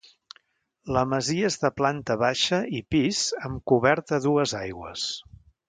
La masia és de planta baixa i pis amb coberta a dues aigües.